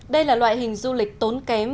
đây là loại hình du lịch tốn kém